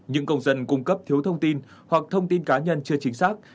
những công dân cung cấp thiếu thông tin hoặc thông tin cá nhân chưa chính xác